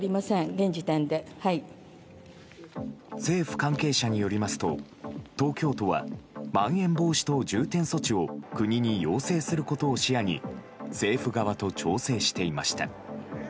政府関係者によりますと東京都はまん延防止等重点措置を国に要請することを視野に政府側と調整していました。